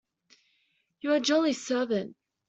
You are a jolly servant!